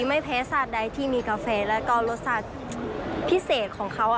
ไม่แพ้ศาสตร์ใดที่มีกาแฟแล้วก็รสชาติพิเศษของเขา